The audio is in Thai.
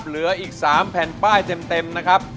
เหลืออีก๓แผ่นป้ายเต็มนะครับ